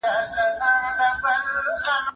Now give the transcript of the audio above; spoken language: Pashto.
که پانګه يوازينی عامل نه وي نور عوامل هم مهم دي.